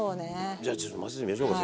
じゃあちょっと混ぜてみましょうか。